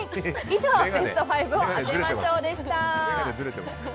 以上、ベスト５を当てましょう！でした。